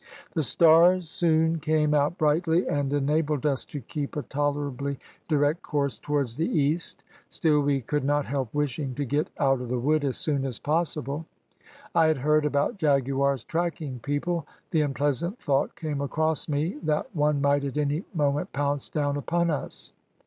"The stars soon came out brightly, and enabled us to keep a tolerably direct course towards the east, still we could not help wishing to get out of the wood as soon as possible. I had heard about jaguars tracking people; the unpleasant thought came across me, that one might at any moment pounce down upon us.